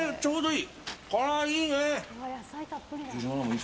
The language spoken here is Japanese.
いいね。